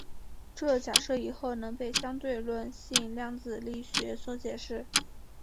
这假设以后能被相对论性量子力学所解释。